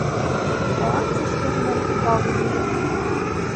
Балан сәскәһенән бал йыя.